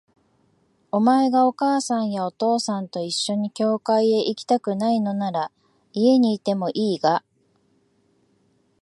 お前がお母さんやお父さんと一緒に教会へ行きたくないのなら、家にいてもいいが、